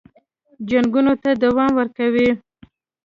جنګونو ته دوام ورکوي.